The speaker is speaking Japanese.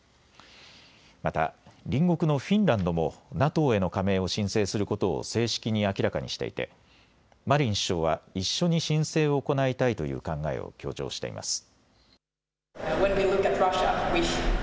また隣国のフィンランドもＮＡＴＯへの加盟を申請することを正式に明らかにしていてマリン首相は一緒に申請を行いたいという考えを強調しています。